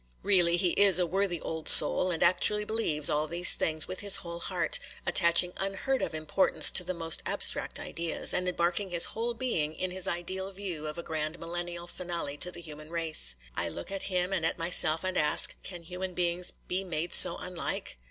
'Really, he is a worthy old soul, and actually believes all these things with his whole heart, attaching unheard of importance to the most abstract ideas, and embarking his whole being in his ideal view of a grand Millennial finale to the human race. I look at him and at myself, and ask, Can human beings be made so unlike?